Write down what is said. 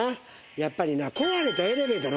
やっぱりな。